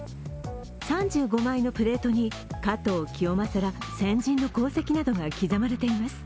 ３５枚のプレートに、加藤清正ら先人の功績などが刻まれています。